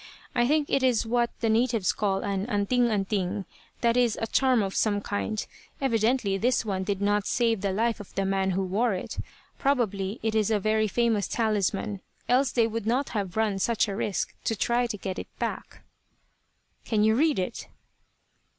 I think it is what the natives call an 'anting anting;' that is a charm of some kind. Evidently this one did not save the life of the man who wore it. Probably it is a very famous talisman, else they would not have run such a risk to try to get it back." "Can you read it?"